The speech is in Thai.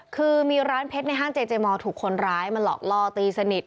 คือมีร้านเพชรในห้างเจเจมอร์ถูกคนร้ายมาหลอกล่อตีสนิท